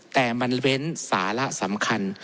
แต่มันเว้นสาระสำคัญ